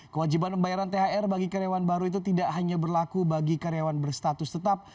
kewajiban pembayaran thr bagi karyawan baru itu tidak hanya berlaku bagi karyawan berstatus tetap